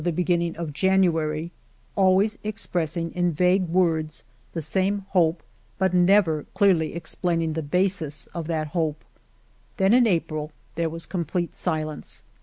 DC h o M •J I ALFRED DREYFUS 273 beginning of January, always expressing in vague words the same hope, but never clearly explaining the basis of that hope. Then in April there was complete silence.